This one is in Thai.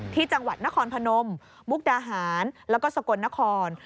ที่จังหวัดนครพนมมุกดาหารแล้วก็สกลนคร